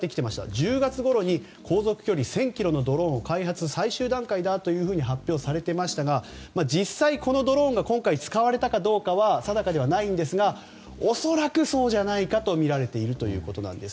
１０月ごろに、航続距離が１０００ｋｍのドローンを開発し、最終段階だと発表されていましたが実際このドローンが今回、使われたかどうかは定かではないんですが恐らくそうじゃないかとみられているということです。